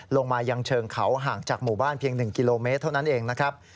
ลงมายังเชิงเขาห่างจากหมู่บ้านเพียง๑กิโลเมตรเท่านั้นเองนะครับ